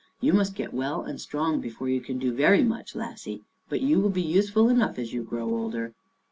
" You must get well and strong before you can do very much, lassie. But you will be useful enough as you grow older."